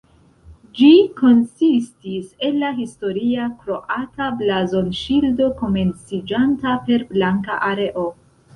Ĝi konsistis el la historia kroata blazonŝildo, komenciĝanta per blanka areo.